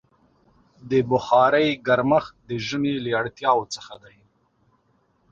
د بخارۍ ګرمښت د ژمي له اړتیاوو څخه دی.